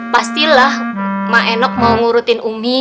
pastilah maenok mau ngurutin umi